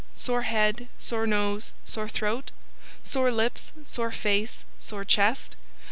Sore Head, Sore Nose, Sore Throat? Sore Lips, Sore Face, Sore Chest?